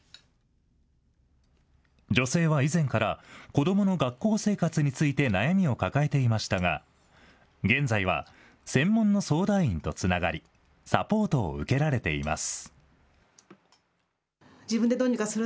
女性は以前から、子どもの学校生活について悩みを抱えていましたが、現在は専門の相談員とつながり、サポートを受けられています。